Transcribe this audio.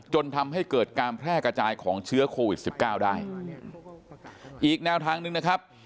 จนทำให้เกิดการแพร่กระจายของเชื้อโควิดสิบเก้าได้อีกแนวทางหนึ่งนะครับ